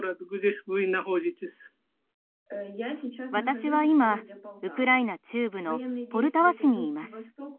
私は今ウクライナ中部のポルタワ市にいます。